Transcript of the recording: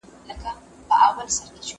څېړونکي خپله داستاني اثر وڅېړه.